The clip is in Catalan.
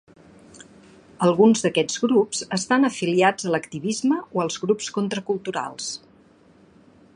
Alguns d'aquests grups estan afiliats a l'activisme o als grups contraculturals.